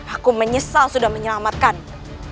aku menyesal sudah menyelamatkanmu